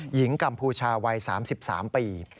หญิงกัมภูชาวัย๓๓ปี